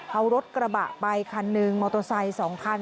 เอารถกระบะไปคันหนึ่งมอเตอร์ไซค์๒คัน